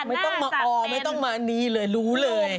ไม่ต้องมอลไม่ต้องมานี้รู้เลย